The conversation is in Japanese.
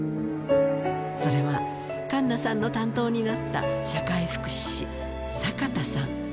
それは、栞奈さんの担当になった社会福祉士、坂田さん。